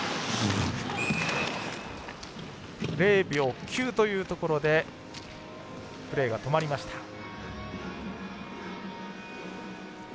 ０秒９というところでプレーが止まりました。